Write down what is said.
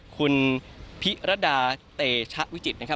คุณพิรดาเตชะวิจิตรนะครับ